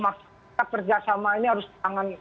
kita kerjasama ini harus tangan